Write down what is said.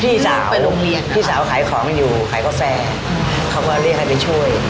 พี่สาวไปโรงเรียนพี่สาวขายของอยู่ขายกาแฟเขาก็เรียกให้ไปช่วย